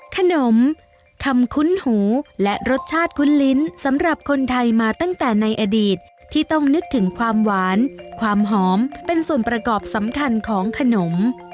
ขนมคำคุ้นหูและรสชาติคุ้นลิ้นสำหรับคนไทยมาตั้งแต่ในอดีตที่ต้องนึกถึงความหวานความหอมเป็นส่วนประกอบสำคัญของขนม